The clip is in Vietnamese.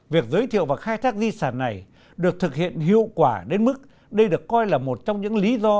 việc giới thiệu và khai thác di sản này được thực hiện hiệu quả đến mức đây được coi là một trong những lý do